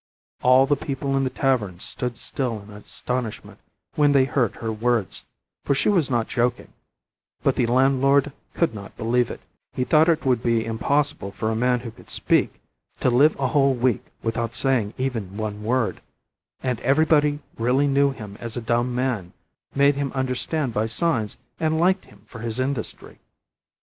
All the people in the tavern stood still in astonishment when they heard her words, for she was not joking; but the landlord could not believe it, he thought it would be impossible for a man who could speak to live a whole week without saying even one word, and every body really knew him as a dumb man, made him understand by signs, and liked him for his industry.